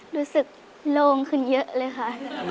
รู้สึกโล่งขึ้นเยอะเลยค่ะ